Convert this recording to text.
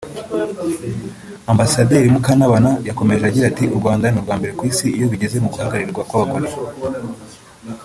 Ambasaderi Mukantabana yakomeje agira ati “U Rwanda ni urwa mbere ku Isi iyo bigeze ku guhagararirwa kw’ abagore